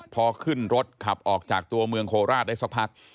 พอขึ้นรถขับออกจากตัวเมืองโคราชได้สักพัก